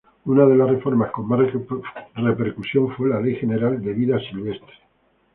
Una de las reformas con más repercusión fue la Ley General de Vida Silvestre.